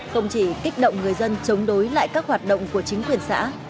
không chỉ kích động người dân chống đối lại các hoạt động của chính quyền xã